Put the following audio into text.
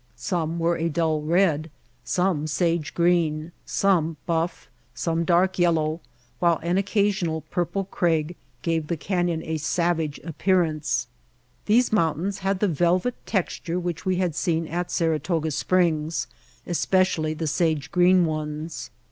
Some were a dull red, some sage green, [tSS] White Heart of Mojave some buff, some dark yellow, while an occa sional purple crag gave the canyon a savage ap pearance. These mountains had the velvet tex ture which we had seen at Saratoga Springs, especially the sage green ones.